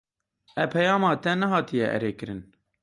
Epeyama te nehatiye erêkirin.